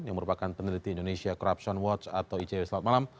yang merupakan peneliti indonesia corruption watch atau icw selamat malam